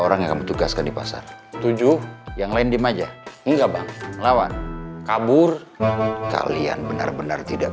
orang yang bertugaskan di pasar tujuh yang lain di maja enggak bang lawan kabur kalian benar benar tidak